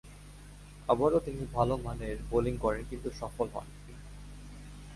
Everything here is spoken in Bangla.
আবারও তিনি ভালোমানের বোলিং করেন কিন্তু সফল হননি।